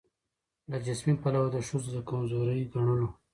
له جسمي پلوه د ښځو د کمزوري ګڼلو